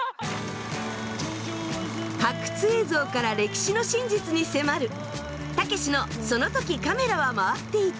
発掘映像から歴史の真実に迫る「たけしのその時カメラは回っていた」。